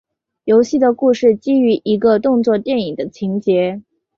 游戏的故事基于一个动作电影的情节。